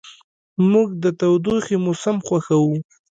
موږ د تودوخې موسم خوښوو.